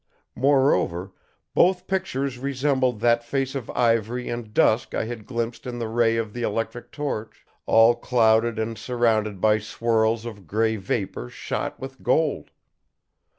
Moreover, both pictures resembled that face of ivory and dusk I had glimpsed in the ray of the electric torch, all clouded and surrounded by swirls of gray vapor shot with gold.